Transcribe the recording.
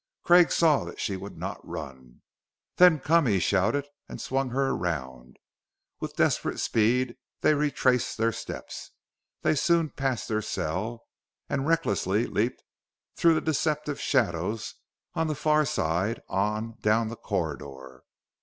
Craig saw that she would not run. "Then come!" he shouted, and swung her around. With desperate speed they retraced their steps. They soon passed their cell, and recklessly leaped through the deceptive shadows on the far side, on down the corridor.